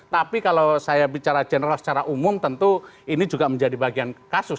tapi kalau saya bicara general secara umum tentu ini juga menjadi bagian kasus